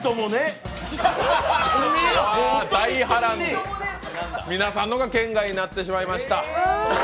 大波乱、皆さんのが圏外となってしまいました。